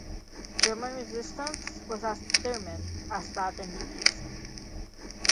German resistance was as determined as that in the east.